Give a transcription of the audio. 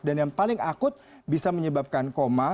dan yang paling akut bisa menyebabkan koma